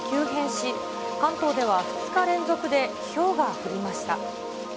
し、関東では２日連続でひょうが降りました。